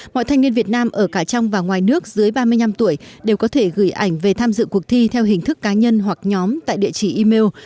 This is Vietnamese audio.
mọi thanh niên việt nam ở cả trong và ngoài nước dưới ba mươi năm tuổi đều có thể gửi ảnh về tham dự cuộc thi theo hình thức cá nhân hoặc nhóm tại địa chỉ email